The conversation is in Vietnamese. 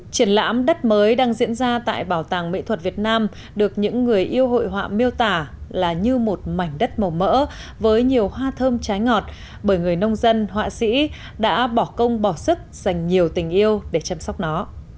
triển lãm đất mới đang diễn ra tại bảo tàng mỹ thuật việt nam được những người yêu hội họa miêu tả là như một mảnh đất màu mỡ với nhiều hoa thơm trái ngọt bởi người nông dân họa sĩ đã bỏ công bỏ sức dành nhiều tình yêu để chăm sóc nó